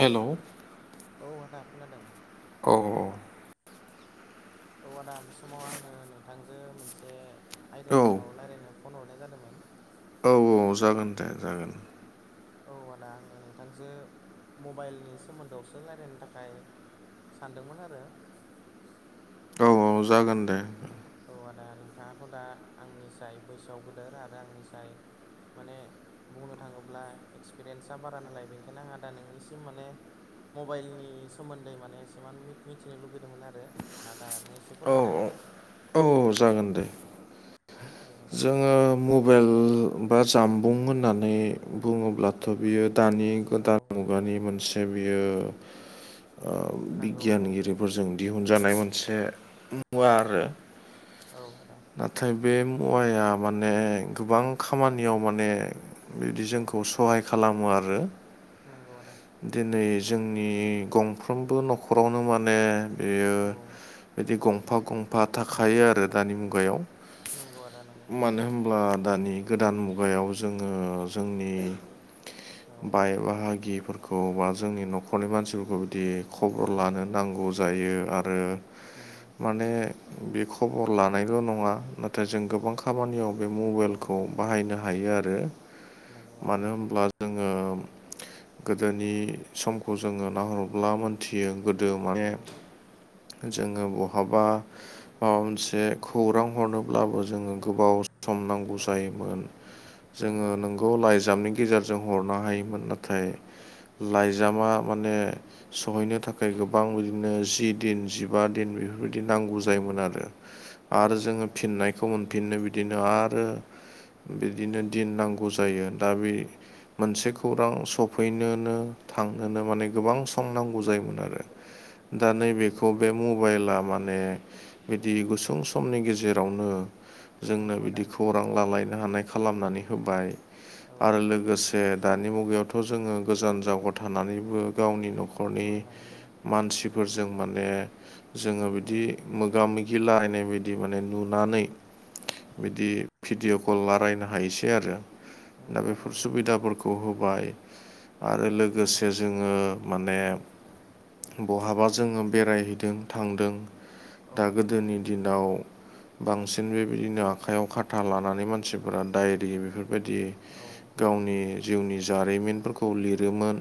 हेल'। औ आदा खोनादों औ औ औ आदा बे समाव आङो नोंथांजो मोनसे औ आयदानि सायाव रायजलायनो फन हरनाय जादोंमोन‌ औ औ जागोन दे जागोन। औ आदा आङो नोंथांजो मबाइलनि सोमोन्दोआवसो रायलायनो थाखाय सानदोंमोन आरो। औ जागोन दे। औ आदा नोंथाङाथ' दा आंनिसाय बैसोआव गोदोर आरो आंनिसाय माने बुंनो थाङोब्ला एक्सपिरियेन्सा बारा नालाय बेनिखायनो आंहा आदा नोंनिसिम माने मबाइलनि सोमोन्दै माने एसेबां मि मिथिनो लुगैदोंमोन आरो आदा नों एसे औ फोरमायनो औ हागोन? ना औ जागोन दे। औ आदा बा जानबुं जोङो मबाइल बा जामबुं होननानै बुङोब्ला- थ' बियो दानि गोदान मुगानि मोनसे बियो ओ मुगानि नंगौ आदा बिगियानगिरिफोरजों दिहुनजानाय मोनसे मुवा आरो औ आदा नाथाय बे मुवाया माने गोबां खामानियाव माने बिदि औ जोंखौ सहाय खालामो आरो नंगौ आदा दिनै जोंनि गंफ्रोमबो न'खरावनो माने बेयो औ बिदि गंफा-गंफा थाखायो आरो दानि मुगायाव नंगौ आदा नंगौ मानो होन- ब्ला दानि गोदान मुगायाव जोङो जोंनि औ बाय बाहागिफोरखौ बा जोंनि न'खरनि मानसिफोरखौ बिदि खबर नंगौ आदा लानो नांगौ जायो आरो नंगौ माने बे खबर लानाय- ल' नङा नाथाय जों गोबां खामानियाव बे औ मबाइलखौ बाहायनो हायो आरो। नंगौ आदा मानो नंगौ होमब्ला जोङो गोदोनि समखौ जोङो नाहरब्ला मिथियो गोदो औ माने जोङो बहाबा माबा मोनसे खौरां हरनोब्लाबो जोङो गोबाव सम नांगौ औ जायोमोन। नंगौ जोङो आदा नोंगौ लाइजामनि गेजेरजों हरनो हायोमोन नाथाय औ लाइजामा माने सहैनो थाखाय गोबां बिदिनो जि दिन जिबा दिन बेफोरबायदि नांगौ नंगौ जायोमोन आदा आरो। आरो नंगौ जोङो नंगौ फिननायखौ मोनफिननो बिदिनो आरो बिदिनो दिन नांगौ जायो दा बे मोनसे नंगौ खौरां आदा नंगौ सफैनोनो थांनोनो माने गोबां सम नांगौ जायोमोन आरो। औ दा आदा औ नैबेखौ बे मबाइला माने बिदि गुसुं समनि गेजेरावनो जोंनो नंगौ आदा बिदि खौरां लालायनो हानाय खालामनानै होबाय। औ आरो लोगोसे दानि मुगायावथ' जोङो गोजान जावगायाव थानानैबो गावनि नंगौ न'खनि आदा नंगौ मानसि फोरजों माने जोङो औ बिदि मोगा-मोगि लायनाय बायदि बिदि माने नुनानै बिदि भिडिअ' कल रायलायनो हायोसै आरो। दा नंगौ आदा बेफोर नंगौ सुबिदाफोरखौ होबाय आरो औ लोगोसे जोङो माने बहाबा जोङो बेरायहैदों थांदों औ दा आदा नंगौ गोदोनि दिनाव बांसिन बेबायदिनो आखायाव खाथा लानानै मानसिफोरा दायरि बेफोरबायदि औ गावनि जिउनि जारिमिनफोरखौ लिरोमोन।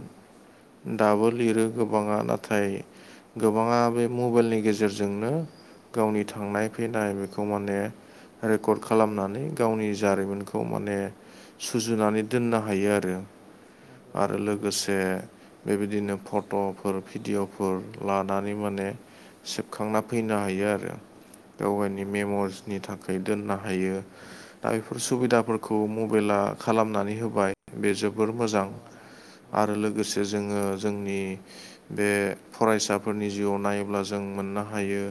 दाबो नंगौ लिरो आदा नंगौ गोबाङा नाथाय नाथाय गोबाङा बे मबाइलनि गेजेरजोंनो गावनि थांनाय फैनाय बेखौ माने रेकर्ड नंगौ खालामनानै गावनि जारिमिनखौ माने सुजुनानै दोननो हायो आरो। नंगौ आदा आरो नंगौ लोगोसे बेबायदिनो फट'फोर भिडिअ'फोर लानानै माने सेबखांना फैनो हायो औ आरो बेवहायनि नंगौ आदा नंगौ मेमरिनि थाखाय। दोननो हायो दा बेफोर नंगौ सुबिदाफोरखौ मबाइला खालामनानै होबाय बे जोबोर मोजां। नंगौ आदा नंगौ आरो लोगोसे जे जोङो जोंनि बे फरायसाफोरनि जिउआव नायोब्ला जों मोननो हायो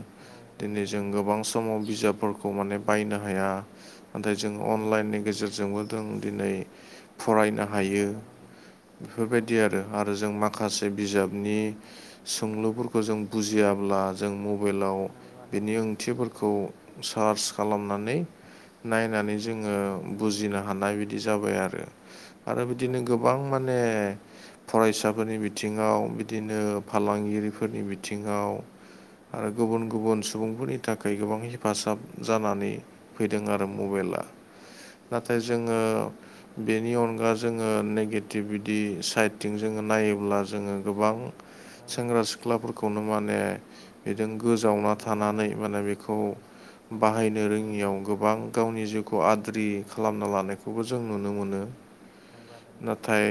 दिनै नायोब्ला जों जोङो गो बां समाव बिजाबफोरखौ माने बायनो हाया नाथाय जों अनलाइननि गेजेरजोंबो जों दिनै फरायनो औ हायो आदा नंगौ औ बेफोरबायदि आरो। आरो जों माखासे बिजाबनि सोंलुफोरखौ जों बुजियाब्ला जों मबाइलाव नंगौ आदा बिनि नंगौ ओंथि नंगौ खौ सोंलुफोरखौ सार्च खालामनानै नायनानै जोङो जों बुजियाब्ला नंगौ बुजिनो हानाय बिदि जाबाय आरो। आरो बिदिनो आदा नंगौ गोबां माने फरायसाफोरनि बिथिङाव बिदिनो फालांगिरिफोरनि बिथिङाव आरो नंगौ गुबुन गुबुन सुबुंफोरनि थाखाय गोबां हेफाजाब जानानै फैदों आरो नंगौ नंगौ आदा मबाइला। नंगौ नाथाय नंगौ जोङो बेनि अनगा जोङो नेगेटिभ बिदि साइडथिं जोङो नायोब्ला जोङो गोबां आदा सेंग्रा सिख्लाफोरखौनो माने बिदि गोजावना नंगौ आदा थानानै नंगौ दा बेखौ नंगौ औ नंगौ बाहायनो आदा नंगौ रोङियाव गोबां जिउखौ गावनि आद्रि जिउ खौ आद्रि खालामना लानायखौबो जों नुनो मोनो। खालामना लानायखौबो जों नुनो मोनो नंगौ आदा नंगौ नाथाय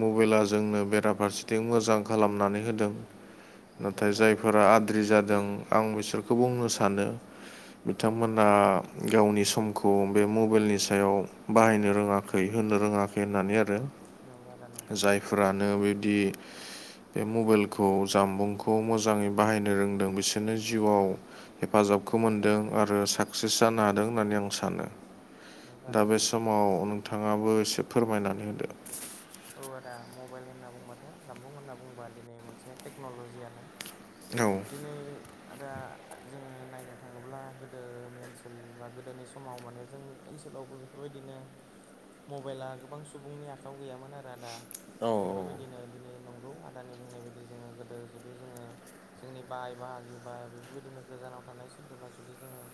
मबाइला जोंनो बेराफारसेथिं मोजां खालामनानै होदों। नंगौ नाथाय आदा जायफोरा आद्रि जादों आं बिसोरखौ बुंनो सानो औ आदा बिथांमोना गावनि समखौ बे मबाइलनि सायाव औ बाहायनो आदा रोङाखै नंगौ होनोब्ला रोङाखै होननानै आरो। नंगौ आदा नंगौ। फोरानो बेबायदि बे मबाइलखौ जामबुंखौ मोजाङै बाहायनो रोंदों बिसोरनो जिउआव औ हेफाजाबखौ आदा मोनदों आरो साक्सेस जानो औ हादों औ होननानै आं सानो। नंगौ दा आदा बे नंगौ समाव नोंथाङाबो एसे फोरमायनानै होदो। औ आदा मबाइल होनना बुंबाथ' जामबुं होनना बुंबा दिनै मोनसे टेक्न'ल'जियानो। औ दिनै आदा जोङो नायनो थाङोब्ला गोदोनि ओनसोल बा गोदोनि समाव माने जोंनि ओनसोलावबो बेफोरबायदिनो मबाइला गोबां सुबुंनि आखाइायाव गैयामोन आरो आदा। औ बेफोरबायदिनो दिनै नंगौ आदानि बुंनाय बायदि जोङो गोदो जुदि जोङो जोंनि बाय बाहागि बा बेफोरबायदिनो गोजानाव थानाय सोदोबा जुदि जोङो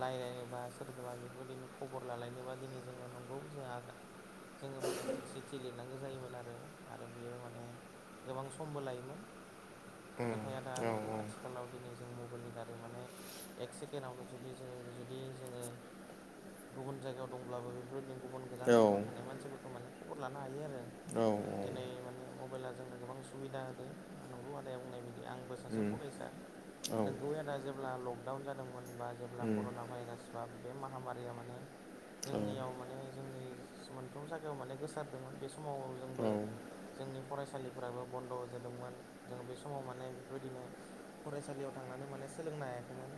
रायज्लायनोबा सोरदबा बेफोरबायदिनो खबर लालायनोबा दिनै जोङो नंगौ जोंहा जोङो माने सिटि लिरनांगौ जायोमोन आरो आरो बियो माने गोबां समबो लायोमोन थाया दा औ आथिखालाव दिनै जों मबाइलनि दारै माने एक सेकेडावनो जुदि जोङो जुदि जोङो गुबुन जायगायाव दंब्लाबो बेफोरजों गुबुन गोजान जायगायाव औ थानाय मानसिफोरखौ माने खबर लानो हायो आरो। औ दिनै माने मबाइला नो गोबां सुबिा होदों। नंगौ आदाया बुंनाय बादि आंबो सासे उम फरायसा औ नोंगौ आदा जेब्ला लकडाउन जादोंमोन बा जेब्ला उम कर'ना भाइरास बा बे माहामारिया माने औ जोंनियाव माने जोंनि मोनफ्रोम जायगायाव माने गोसारदोंमोन बे समाव औ जोंबो जोंनि फरायसालिफोराबो बन्द' जादोंमोन जों बे समाव म म बेफोरबायदिनो फरायसालियाव थांनानै माने सोलोंनो हायाखैमोन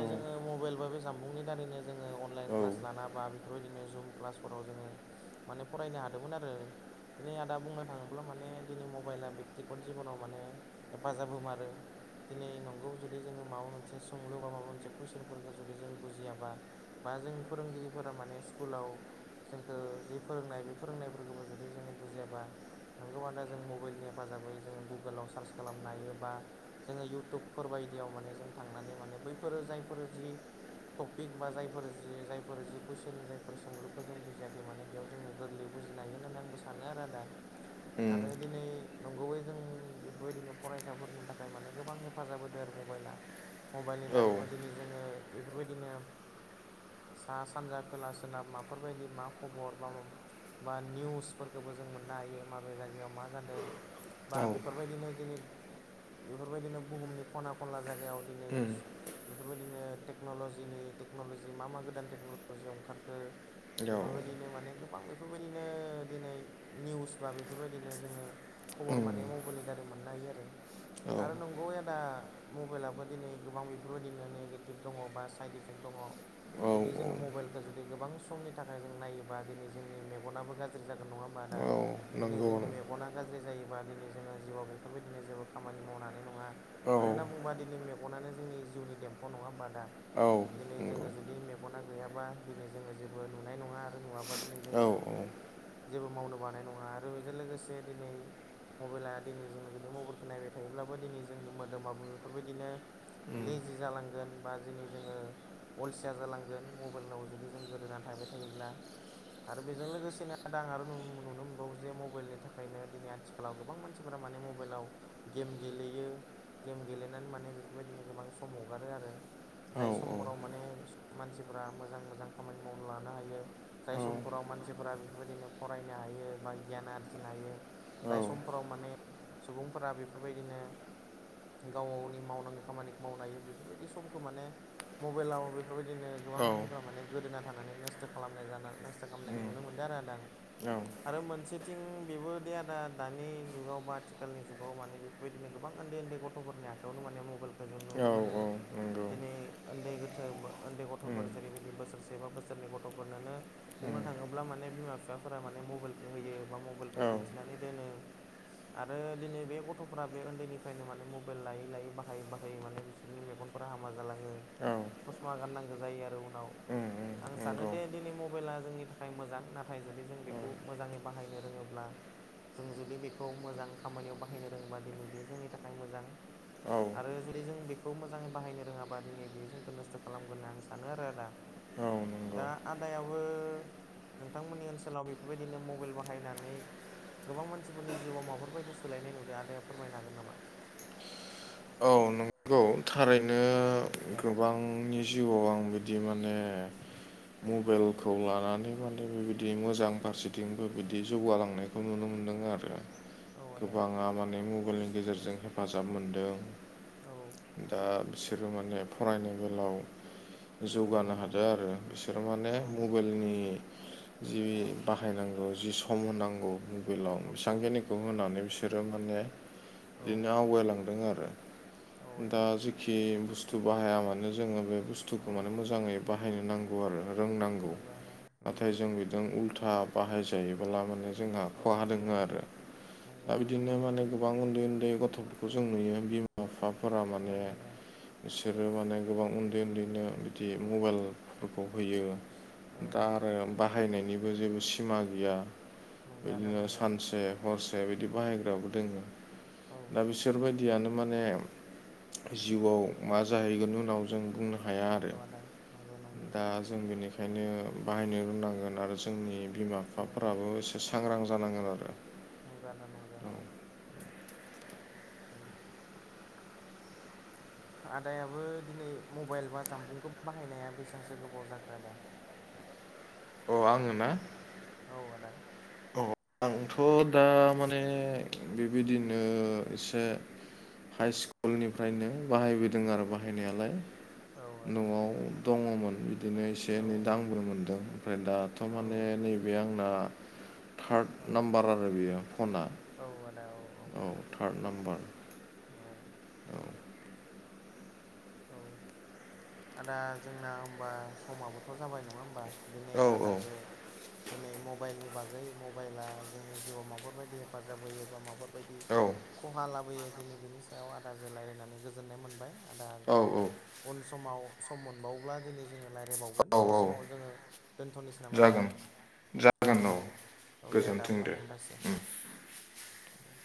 औ जोङो मबाइल बा बे जामबुंनि दारैनो जोङो अनलाइन क्लास लाना बा बेफोरबायदिनो जुम क्लासफोराव जोङो माने फरायनो हादोंमोन आरो दिनै आदा बुंनो थाङोब्ला माने दिनै मबाइला बेक्तिगत जिब'नाव माने हेफाजाब होमारो दिनै नंगौ जुदि जोङो माबा मोनसे सोंलु बा माबा मोनसे कुइसनफोरखौ जुदि जों बुजियाबा बा जोंनि फोरोंगिरिफोरा माने स्कुलाव जोंखौ जि फोरोंनाय बे फोरोंनायफोरखौबो जुदि जों बुजियाबा नंगौबा दा जों मबाइलनि हेफाजाबै जोङो गुगोलाव सार्च खालामनो हायो बा जोङो इयउटुबफोर बायदियाव माने जों थांनानै माने बैफोरो जायफोर जि टपिक बा जायफोर जि जायफोर जि कुइसन जायफोर सोंलुखौ जों बुजियाखै माने बेयाव जोङो गोरलै बुजिनो हायो होन्नानै आंबो सानो आरो आदा उम आरो दिनै नंगौै जों बेफोरबायदिनो फरायसाफोरनि थाखाय माने गोबां हेफाजाब होद आरो मबाइला मबाइलनि औ दारैबो दिनै जोङो बेफोरबायदिनो साहा सानजा खोला सोनाब माफोरबायदि मा खबर बा बा निउसफोरखौबो जों मोननो हायो माबे जायगायाव मा जादों बा औ बेफोरबायदिनो दिनै बेफोरबायदिनो बुहुमनि खना खनला जायगायाव दिनै उम बेफोरबायदिनो टेक्न'लजिनि टेक्न'लजि मा मा गोदान टेक्न'लजि ओंखारखो औ बेफोरबायदिनो माने गोबां बेफोरबायदिनो दिनै निउस बा बेफोरबायदिनो जोङो खबर उम माने मबाइलनि दारै मोननो हायो आरो औ आरो नंगौ आदा मबाइलाबो दिनै गोबां बेफोरबायदिनो नेगेटिभ दङ बा साइद इफेक्ट दङ औ जुदि औ जोङो मबाइलखौ जुदि गोबां समनि थाखाय जों नायोबा दिनै जोंनि मेगनाबो गाज्रि जागोन नङा होमबा दा औ दिनै नंगौ जोंनि मेगना गाज्रि जायोबा दिनै जोङो जिउआव बेफोरबायदिनो जेबो खामानि मावनानै नङा मानो औ होनना बुङोबा दिनै मेगनानो जोंनि जिउनि दम्फौ नङा बादा औ दिनै नंगौ जोङो जुदि मेगना गैयाबा दिनै जोङो जेबो नुनाय नङा आरो नुवाबा दिनै औ जोङो जेबो मावनो बानाय नङा आरो बेजों लोगोसे दिनै मबाइला दिनै जों जुदि मबाइल खोननायबाय थायोब्लाबो दिनै जोंनि मोदोमाबो बेफोरबायदिनो लेजि जालांगोन बा दिनै जोङो अलसिया जालांगोन मबाइलनाव जुदि जों गोदोनानै थाबाय थायोब्ला आरो बेजों लोगोसेनो दां आरो नुनो मोनबावो जे मबाइलनि थाखायनो दिनै आथिखाल आथिखालाव गोबां मानसिफोरा माने मबाइलाव गेम गेलेयो गेम गेलेनानै माने बेफोरबायदिनो गोबां सम हगारो आरो औ जाय समफोराव माने मानसिफ्रा मोजां मोजां खामानि मावना लानो हायो जाय उम समफोराव मानसिफोरा बेफोरबायदिनो फरायनो हायो बा गियान आरजिनो हायो औ जाय समफोराव माने सुबुंफोरा बेफोरबायदिनो गाव गावनि मावनांगौ खामानिखौ मावनो हायो बेफोरबायदि समखौ माने मबाइलाव बेफोरबायदिनो गोबां औ मानसिफ्रा माने गोदोना थानानै नस्थ' खालामनाय जाना नस्थ' खालामनायखौ नुनो मोनदों आरो आद आं आरो मोनसेथिं बेबो दे आदा दानि जुगाव बा आथिखालनि जुगाव माने बे बेबायदिनो गोबां उन्दै उन्दै गथ'फोरनि आखायावनो माने मबाइलखौ जों नुनो मोनो औ नंगौ दिनै उन्दै गोथो उन्दै उम गथ'फोर जेरैबायदि बोसोरसे बा बोसोरनै गथ'फोरनानो बुंनो थाङोब्ला ब्ला माने बिमा बिफाफोरा माने मबाइलखौ होयो बा औ मबाइलखौ दिन्थिनानै दोनो आरो दिनै बे गथ' गथ'फोरा बे उन्दैनिफ्रायनो माने मबाइल लायै लायै बाहायै बाहायै माने बिसोरनि मेगनफोरा हामा जालाङो ससमा गाननांगौ जायो आरो उनाव उम आं सानो नंगौ दि दिनै मबाइला जोंनि थाखाय मोजां नाथाय जुदि जों बेखौ मोजाङै बाहायनो रोङोब्ला जों जुदि बेखौ मोजां खामानियाव बाहायनो [unintelligible] दिनै बे जोंनि थाखाय मोजां औ आरो जुदि जों बे खौ मोजाङै बाहायनो रोङाबा दिनै बेयो जोंखौ नस्थ' खालामगोन होनना आं सानो आरो आदा औ नंगौ दा आदायाबो नोंथांमोननि ओनसोलाव बेफोरबायदिनो मबाइल बाहायनानै गोबां मानसिफोरनि जिउआव माबाफोरबायदि सोलायनाय नुदों आदाया फोरमायनो हागोन नामा औ नंगौ थारैनो औ आदा गोबांनि जिउआव आं बिदि माने मबाइलखौ लानानै माने बेबायदि मोजां फारसेथिंबो बिदि जौगालांनाय खौ नुनो मोनदों आरो औ आदा गोबाङा माने मबाइलनि गेजेरजों हेफाजाब मोनदों औ दा बिसोरो माने फरायनाय बेलायाव औ जौगानो आदा हादों आरो बिसोर माने औ मबाइलनि जि बाहायनांगौ जि सम होनांगौ मबाइलाव औ आदा बेसेबांखिनिखौ होनानै बिसोरो माने औ बिदिनो आवगायलांदों आरो औ दा आदा जेखि बुस्थु बाहाया मानो जोङो बे औ बुस्थुखौ माने मोजाङै बाहायनो नांगौ आरो रोंनांगौ नंगौ आदा नंगौ नाथाय जों बिजों उल्था बाहाय जायोब्ला माने जोंहा औ खहा औ दङ आरो नंगौ दा आदा बिदिनो नंगौ माने गोबां उन्दै उन्दै गथ'फोरखौ जों नुयो बिमा बिफाफोरा औ माने आदा बिसोरो माने गोबां उन्दै उन्दैनो बिदि मबाइलफोरखौ होयो औ दा आरो बाहायनायनिबो जेबो सिमा गैया नंगौ आदा बिदिनो नंगौ सानसे हरसाया बिदि बाहायग्राबो दोङ औ दा बिसोरबायदियानो माने जिउआव मा जाहैगोन उनाव जों बुंनो होन हाया आरो नंगौ आदा नंगौ नंगौ दा जों बेनिखायनो बाहायनो रोंनांगोन आरो जोंनि बिमा औ बिफाफोराबो एसे एसे सांग्रां जानांगोन आरो नंगो आदा नंगो औ [inaudible] आदायाबो दिनै मबाइल बा जामफुंखौ बाहायनाया बेसेबांसो गोबाव जाखो आदा अ आङो ना औ आदा औ आंथ' दा माने बेबायदिनो एसे हाइ स्कुलनिफ्रायनो बाहायबोदों आरो बाहायनायालाय औ आदा न'आव दङमोन बिदि बिदिनो एसे औ एनै दांबो्र मोनदों ओमफ्राय दाथ' औ माने नैबे आंना थार्द औ नाम्बार आरो बेयो फना औ थार्द नाम्बार औ औ [inaudible] औ आदा जोंना होमबा समाबोथ' जाबाय नङा होनबा? दिनै औ आदा औ जे दिनै मबाइलनि बागै मबाइला जोंनि जिउआव माबफोरबायदि हेफाजाब होयो बा माबा बायदि औ खहा लाबोयो दिनै बिनि सायाव आदाजों रायज्लायनानै गोजोननाय मोनबाय आदा। औ उन समाव सम मोनबावोब्ला दिनि जोङो राय्लायबावगोन औ बे औ समाव जोङो दोन्थ'नोसै नामा आदा जागोन औ औ दे आदा होमबा हामबायसै उम दे